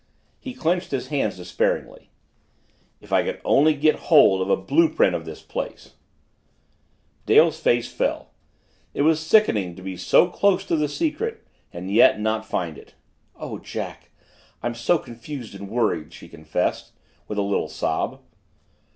He clenched his hands despairingly. "If I could only get hold of a blue print of this place!" he muttered. Dale's face fell. It was sickening to be so close to the secret and yet not find it. "Oh, Jack, I'm so confused and worried!" she confessed, with a little sob.